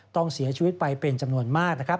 ต้องเสียชีวิตไปเป็นจำนวนมากนะครับ